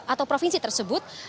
atau provinsi tersebut